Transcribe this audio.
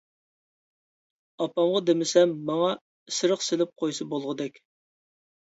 ئاپامغا دېمىسەم، ماڭا ئىسرىق سېلىپ قويسا بولغۇدەك.